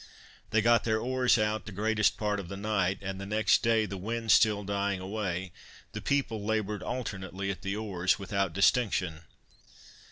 They got their oars out the greatest part of the night, and the next day the wind still dying away, the people laboured alternately at the oars, without distinction.